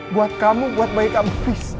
buat kamu buat bayi kamu